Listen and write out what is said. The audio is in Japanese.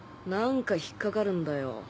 何か引っかかるんだよ。